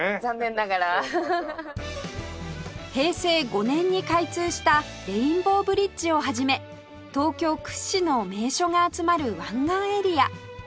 平成５年に開通したレインボーブリッジを始め東京屈指の名所が集まる湾岸エリア